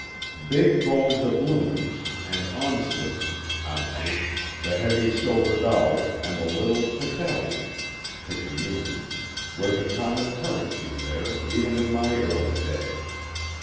Big gold doubloons and onzas (ounces), the heavy silver dollar and the little picallion (picayune) were the common currency there even in my early day.